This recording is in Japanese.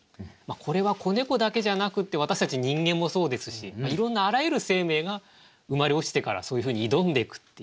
これは子猫だけじゃなくって私たち人間もそうですしいろんなあらゆる生命が生まれ落ちてからそういうふうに挑んでいくっていう。